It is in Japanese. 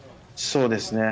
そうですね。